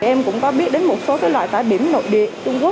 em cũng có biết đến một số loại tải biểm nội địa